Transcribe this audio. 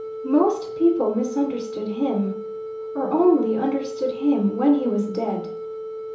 Most people misunderstood him, or only understood him when he was dead.